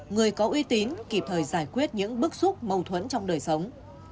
người có uy tín kịp thời giải quyết những bức xúc mâu thuẫn trong đời sống